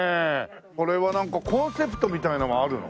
これはなんかコンセプトみたいなのはあるの？